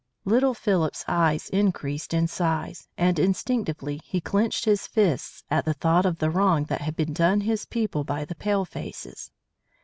Little Philip's eyes increased in size, and instinctively he clenched his fists at the thought of the wrong that had been done his people by the palefaces.